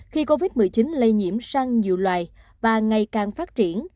khi covid một mươi chín lây nhiễm sang nhiều loài và ngày càng phát triển